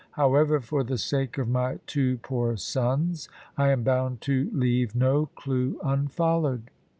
However, for the sake of my two poor sons, I am bound to leave no clue unfollowed.